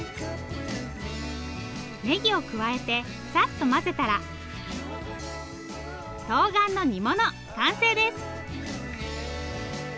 ねぎを加えてさっと混ぜたらとうがんの煮物完成です。